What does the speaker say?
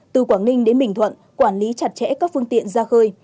từ quảng ninh đến bình thuận quản lý chặt chẽ các phương tiện ra khơi